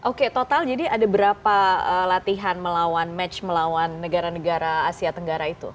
oke total jadi ada berapa latihan melawan match melawan negara negara asia tenggara itu